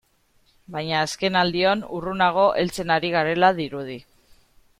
Baina azkenaldion urrunago heltzen ari garela dirudi.